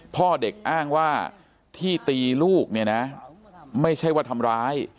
พ่อเด็กอ้างว่าที่ตีลูกเนี่ยนะไม่ใช่ว่าทำร้าย